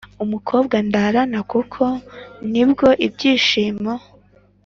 Umukobwa ndarana kuko nibwo ibyishimo